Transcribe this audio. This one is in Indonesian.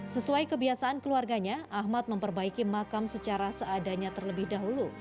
sesuai kebiasaan keluarganya ahmad memperbaiki makam secara seadanya terlebih dahulu